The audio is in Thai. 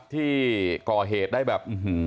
ที่ก่อเหตุได้แบบ